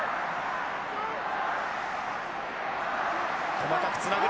細かくつなぐ。